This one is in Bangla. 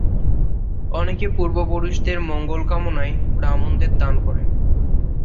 অনেকে পূর্বপুরুষের মঙ্গল কামনায় ব্রাহ্মণদের দান করেন।